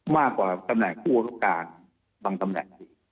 มากกว่าตำแหน่งผู้โอศักดิ์การบางตำแหน่ง